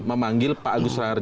memanggil pak agus raharjo